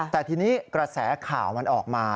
แต่ทีนี้กระแสข่าวมันออกมา